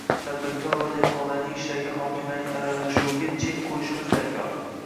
tadbirkor va dehqonlarning ishlariga hokimlarning aralashuviga chek qo‘yishimiz darkor.